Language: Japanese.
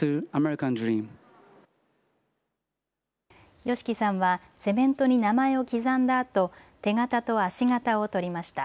ＹＯＳＨＩＫＩさんはセメントに名前を刻んだあと手形と足形を取りました。